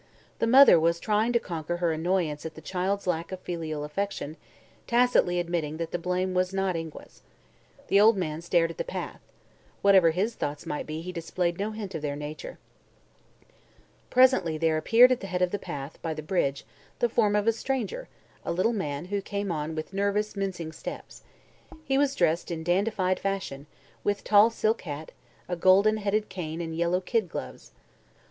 The mother was trying to conquer her annoyance at the child's lack of filial affection, tacitly admitting that the blame was not Ingua's. The old man stared at the path. Whatever his thoughts might be he displayed no hint of their nature. Presently there appeared at the head of the path, by the bridge, the form of a stranger, a little man who came on with nervous, mincing steps. He was dressed in dandified fashion, with tall silk hat, a gold headed cane and yellow kid gloves.